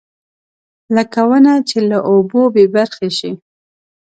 لکه ونه چې له اوبو بېبرخې شي.